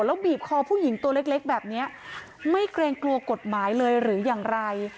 แล้วบีบคอผู้หญิงตัวเล็กแบบนี้ไม่เกรงกลัวกฎหมายเลยหรืออย่างไร